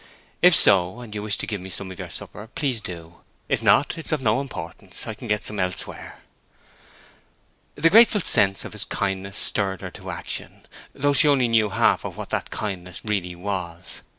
"If so, and you wish to give me some of your supper, please do. If not, it is of no importance. I can get some elsewhere." The grateful sense of his kindness stirred her to action, though she only knew half what that kindness really was.